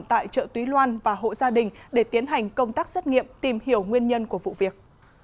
tại chợ túy loan và hộ gia đình để tiến hành công tác xét nghiệm tìm hiểu nguyên nhân của vụ việc